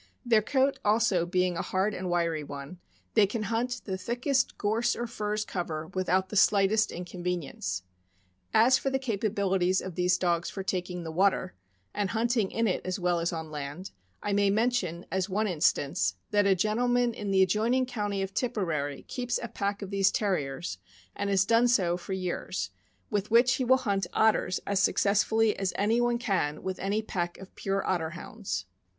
Their coat also being a hard and wiry one, they can hunt the thickest gorse or furze cover without the slightest inconvenience. As for the capabilities of these dogs for taking the water, and hunting in it as well as on land, I may mention, as one instance, that a gentle man in the adjoining County of Tipperary keeps a pack of these Terriers, and has done so for years, with which he will hunt otters as successfully as anyone can with any pack of pure Otter Hounds.